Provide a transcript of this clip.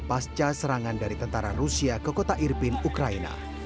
pasca serangan dari tentara rusia ke kota irpin ukraina